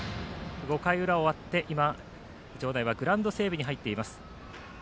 ５回裏を終わって今、場内はグラウンド整備に入っています。